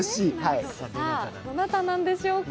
さぁ、どなたなんでしょうか？